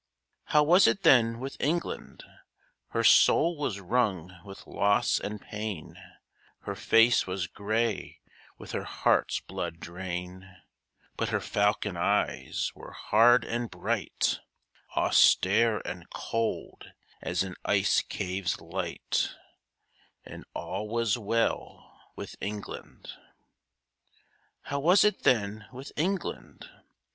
How was it then with England? Her soul was wrung with loss and pain, Her face was grey with her heart's blood drain, But her falcon eyes were hard and bright, Austere and cold as an ice cave's light And all was well with England. How was it then with England?